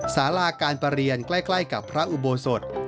สาราการประเรียนใกล้กับพระอุโบสถ